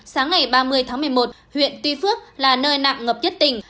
sáng ngày ba mươi tháng một mươi một huyện tuy phước là nơi nặng ngập nhất tỉnh